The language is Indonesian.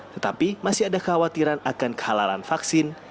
tetapi masih ada khawatiran akan kehalalan vaksin